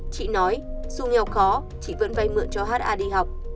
chị nói dù nghèo khó chỉ vẫn vay mượn cho ha đi học